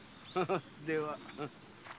では。